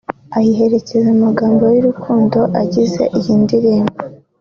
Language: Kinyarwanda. ayiherekeza amagambo y’urukundo agize iyi ndirimbo